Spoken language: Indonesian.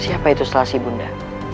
siapa itu selassie bunda